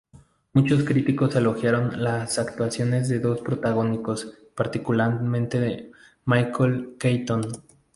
Muchos críticos elogiaron las actuaciones de los dos protagónicos, particularmente de Michael Keaton.